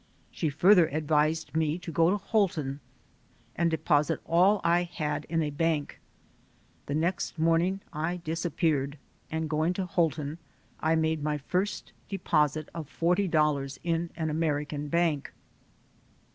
She further ad vised me to go to Houlton and deposit all I had in a bank. The next morning I disappeared, and going to Houlton, I made my first deposit of $40 in an American bank.